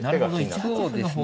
ああそうですね。